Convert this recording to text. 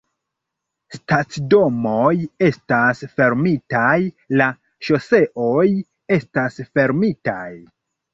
Stacidomoj estas fermitaj, la ŝoseoj estas fermitaj